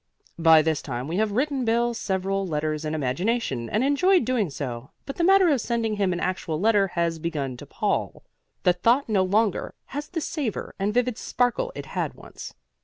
By this time we have written Bill several letters in imagination and enjoyed doing so, but the matter of sending him an actual letter has begun to pall. The thought no longer has the savor and vivid sparkle it had once.